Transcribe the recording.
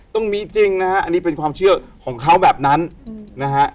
ต้องมีจริงนะฮะอันนี้เป็นความเชื่อของเขาแบบนั้นนะฮะ